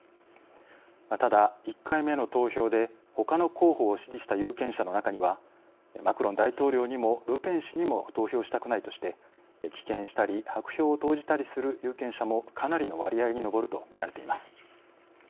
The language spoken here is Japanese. ただ、１回目の投票でほかの候補を支持した有権者の中には「マクロン大統領にもルペン氏にも投票したくない」として、棄権したり白票を投じたりする有権者もかなりの割合に上ると見られています。